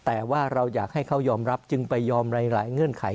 แต่ว่าเราอยากให้เขายอมรับจึงไปยอมหลายเงื่อนไข